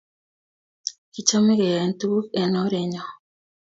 Kichame keyae tuguk eng orenyo